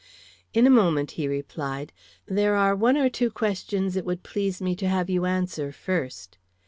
"In a moment," he replied. "There are one or two questions it would please me to have you answer first."